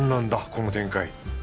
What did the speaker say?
この展開